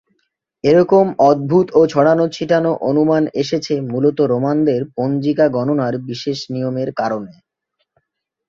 এরকম অদ্ভুত ও ছড়ানো-ছিটানো অনুমান এসেছে মূলত রোমানদের পঞ্জিকা গণনার বিশেষ নিয়মের কারণে।